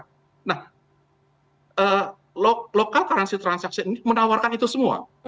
jadi local currency transaction ini menawarkan itu semua